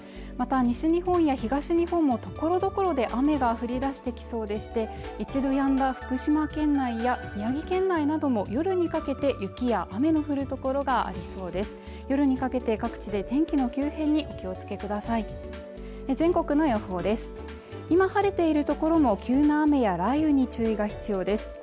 また西日本や東日本はところどころで雨が降り出してきそうでして一度やんだ福島県内や宮城県内なども夜にかけて雪や雨の降る所がありそうで夜にかけて各地で天気の急変にお気をつけください全国の予報です今晴れている所も急な雨や雷雨に注意が必要です